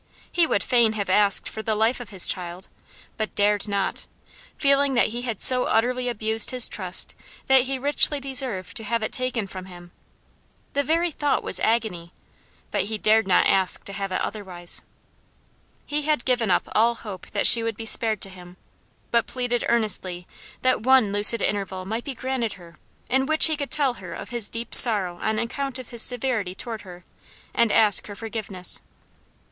He would fain have asked for the life of his child, but dared not; feeling that he had so utterly abused his trust that he richly deserved to have it taken from him. The very thought was agony; but he dared not ask to have it otherwise. He had given up all hope that she would be spared to him, but pleaded earnestly that one lucid interval might be granted her, in which he could tell her of his deep sorrow on account of his severity toward her, and ask her forgiveness.